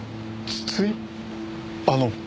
あの？